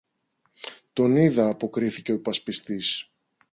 τον είδα, αποκρίθηκε ο υπασπιστής.